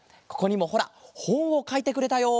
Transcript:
ここにもほらほんをかいてくれたよ！